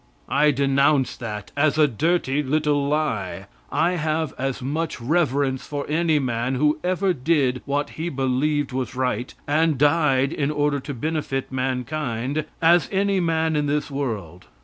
I denounce that as a dirty little lie. I have as much reverence for any man who ever did what he believed was right, and died in order to benefit mankind, as any man in this world.